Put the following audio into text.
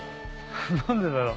何でだろう？